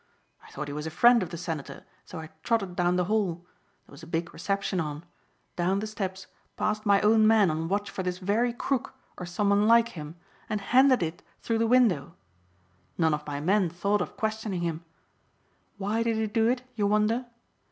I thought he was a friend of the Senator so I trotted down the hall there was a big reception on down the steps past my own men on watch for this very crook or some one like him, and handed it through the window. None of my men thought of questioning him. Why did he do it you wonder.